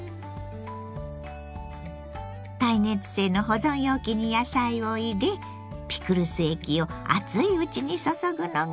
耐熱性の保存容器に野菜を入れピクルス液を熱いうちに注ぐのがポイント。